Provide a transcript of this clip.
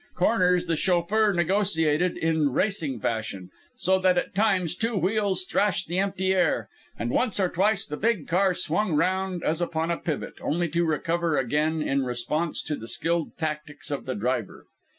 Corners the chauffeur negotiated in racing fashion, so that at times two wheels thrashed the empty air; and once or twice the big car swung round as upon a pivot only to recover again in response to the skilled tactics of the driver.